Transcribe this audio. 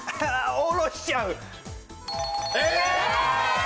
おろしちゃう！